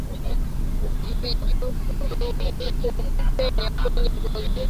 Vijidudu hupenya kwenye ngozi